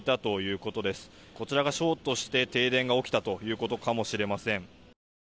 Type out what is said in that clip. こちらがショートして停電が起きたということかもしれません。